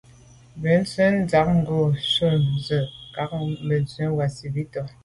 Bú tɛ̌n tsjə́ŋ ŋgà sɔ̀ŋ mùcúà zə̄ à'cák câk bwɔ́ŋkə́ʼ wàsìbítà.